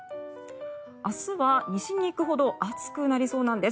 明日は西に行くほど暑くなりそうなんです。